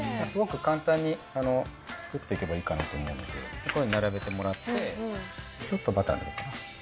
すごく簡単に作っていけばいいかなと思うのでこういうふうに並べてもらってちょっとバターを塗る。